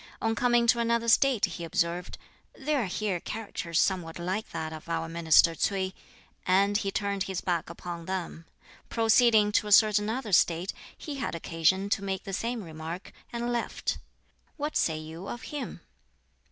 On coming to another State, he observed, 'There are here characters somewhat like that of our minister Ts'ui,' and he turned his back upon them. Proceeding to a certain other State, he had occasion to make the same remark, and left. What say you of him?"